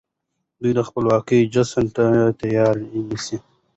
دوی د خپلواکۍ جشن ته تياری نيسي.